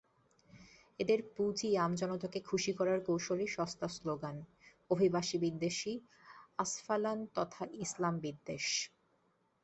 এদের পুঁজি আমজনতাকে খুশি করার কৌশলী সস্তা স্লোগান, অভিবাসীবিদ্বেষী আস্ফাালন তথা ইসলামবিদ্বেষ।